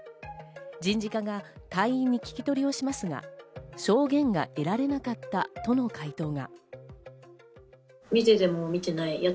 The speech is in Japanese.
人事課が隊員に聞き取りをしますが証言が得られなかったとの回答が。